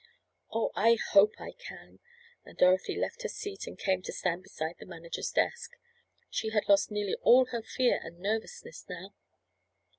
"Oh, I hope I can!" and Dorothy left her seat and came to stand beside the manager's desk. She had lost nearly all her fear and nervousness now.